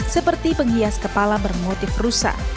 seperti penghias kepala bermotif rusa